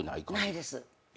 ないです。